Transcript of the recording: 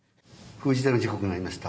封じ手の時刻になりました。